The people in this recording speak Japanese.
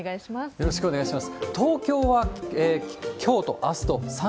よろしくお願いします。